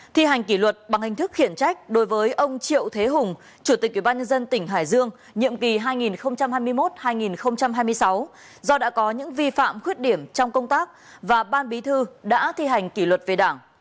thi hành kỷ luật bằng hình thức khiển trách đối với ông triệu thế hùng chủ tịch ủy ban nhân dân tỉnh hải dương nhiệm kỳ hai nghìn hai mươi một hai nghìn hai mươi sáu do đã có những vi phạm khuyết điểm trong công tác và ban bí thư đã thi hành kỷ luật về đảng